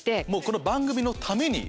この番組のために？